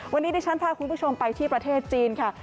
วันนี้ดิฉันพาคุณผู้ชมไปที่ประเทศจีนค่ะ